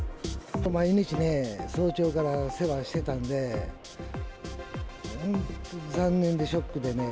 毎日ね、早朝から世話をしてたんで、本当に残念で、ショックでね。